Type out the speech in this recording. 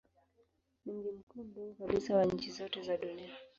Ni mji mkuu mdogo kabisa wa nchi zote za dunia.